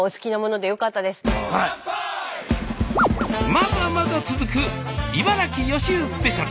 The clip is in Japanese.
まだまだ続く「茨城予習スペシャル」。